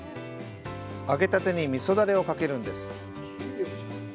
揚げたてに味噌ダレをかけるんです。